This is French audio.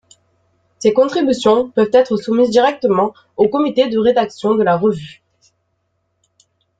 Ces contributions peuvent être soumises directement au comité de rédaction de la revue.